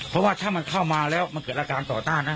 เพราะว่าถ้ามันเข้ามาแล้วมันเกิดอาการต่อต้านนะ